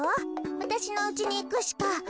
わたしのうちにいくしか。